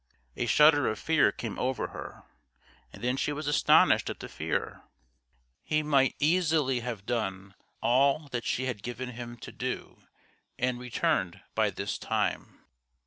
A shudder of fear came over her, and then she was astonished at the fear; he might easily have done all that she had given him to do and returned by this time.